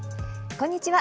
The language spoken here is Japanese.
こんにちは。